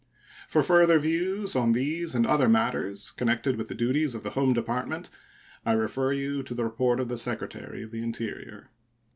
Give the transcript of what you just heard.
For further views on these and other matters connected with the duties of the home department I refer you to the report of the Secretary of the Interior.